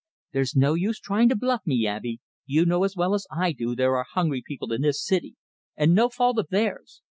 "There's no use trying to bluff me, Abey. You know as well as I do there are hungry people in this city, and no fault of theirs.